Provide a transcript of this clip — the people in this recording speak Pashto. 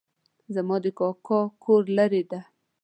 زما د کاکا کور لرې ده